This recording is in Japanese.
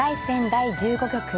第１５局。